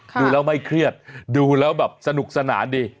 ดูแล้วไม่เครียดดูแล้วแบบสนุกสนานดี